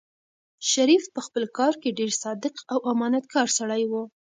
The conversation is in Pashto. شریف په خپل کار کې ډېر صادق او امانتکار سړی و.